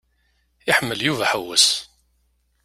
Iḥemmel Yuba aḥewwes.